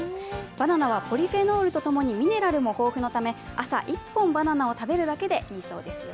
バナナはポリフェノールとともにミネラルも豊富で朝１本バナナを食べるだけでいいそうですよ。